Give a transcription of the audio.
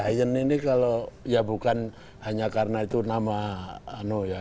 ayan ini kalau ya bukan hanya karena itu nama no ya